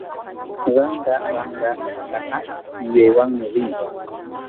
Ranraranra ñantaqa yuyaywanmi rina.